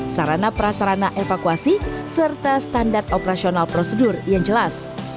sarana prasarana evakuasi serta standar operasional prosedur yang jelas